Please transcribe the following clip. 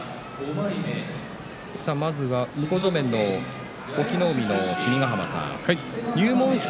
向正面の隠岐の海の君ヶ濱さん。